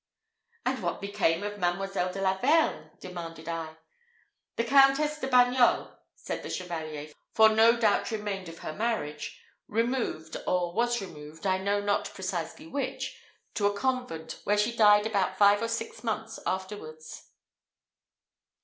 "And what became of Mademoiselle de la Vergne?" demanded I. "The Countess de Bagnols," said the Chevalier, "for no doubt remained of her marriage, removed, or was removed, I know not precisely which, to a convent, where she died about five or six months afterwards."